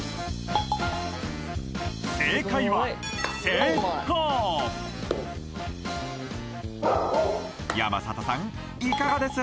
正解は成功山里さんいかがです？